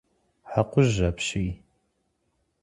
Хьэкъужь апщий!